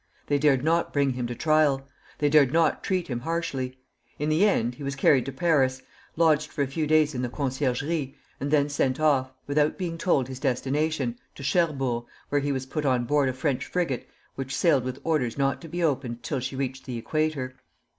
They dared not bring him to trial; they dared not treat him harshly. In the end he was carried to Paris, lodged for a few days in the Conciergerie, and then sent off, without being told his destination, to Cherbourg, where he was put on board a French frigate which sailed with orders not to be opened till she reached the equator.